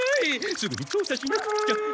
すぐにちょうさしなくっちゃ。